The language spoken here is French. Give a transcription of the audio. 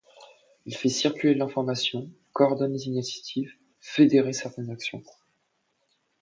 Il fait circuler l’information, coordonne les initiatives, fédèrer certaines actions.